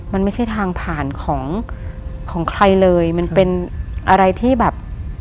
มันไม่ใช่ทางผ่านของของใครเลยมันเป็นอะไรที่แบบ